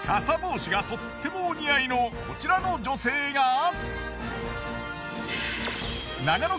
傘帽子がとってもお似合いのこちらの女性が。